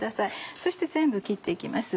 そして全部切って行きます